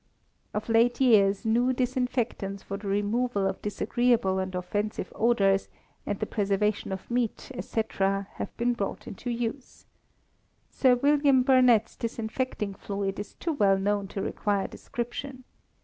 Of late years new disinfectants for the removal of disagreeable and offensive odours, and the preservation of meat, &c., have been brought into use. Sir William Burnett's disinfecting fluid is too well known to require description.